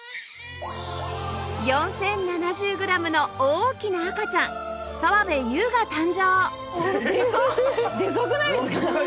４０７０グラムの大きな赤ちゃん澤部佑が誕生でかっ！